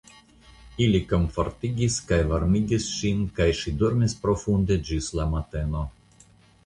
Ili komfortigis kaj varmigis ŝin kaj ŝi dormis profunde ĝis la mateno.